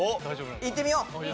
いってみよう。